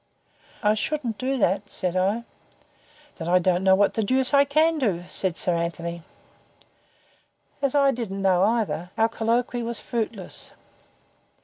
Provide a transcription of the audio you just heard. "I shouldn't do that," said I. "Then, I don't know what the deuce I can do," said Sir Anthony. As I didn't know, either, our colloquy was fruitless.